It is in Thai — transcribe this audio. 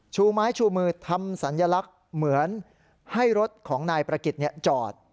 ชูไม้ชูมือทำสัญลักษณ์เหมือนให้รถของนายประกิจจอด